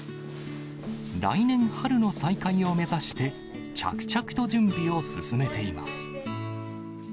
来年春の再開を目指して、着々と準備を進めています。